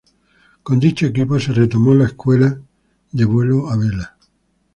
Con dicho equipo se retomó la escuela de vuelo a vela.